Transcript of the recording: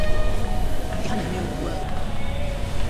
nke ha na-eme ugbua